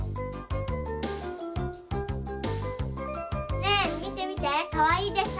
ねえみてみてかわいいでしょ。